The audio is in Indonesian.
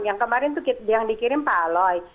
yang kemarin itu yang dikirim pak loy